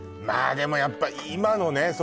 まあでもやっぱ今のね